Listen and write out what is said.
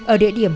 ở địa điểm